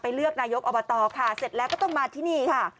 เลือกนายกอบตค่ะเสร็จแล้วก็ต้องมาที่นี่ค่ะ